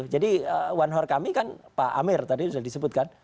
jadi one horse kami kan pak amer tadi sudah disebutkan